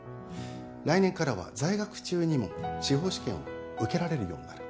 来年からは在学中にも司法試験を受けられるようになる。